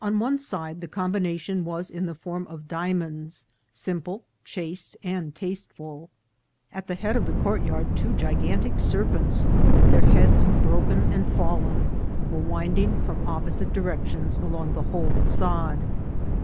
On one side the combination was in the form of diamonds, simple, chaste, and tasteful ; and at the head of the courtyard two gi gantic serpents, with their heads broken and fallen, were winding from opposite directions along the whole fafade.